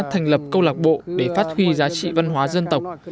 thành lập câu lạc bộ để phát huy giá trị văn hóa dân tộc